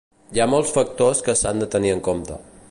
Hi ha molts factors que s’han de tenir en compte.